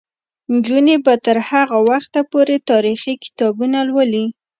نجونې به تر هغه وخته پورې تاریخي کتابونه لولي.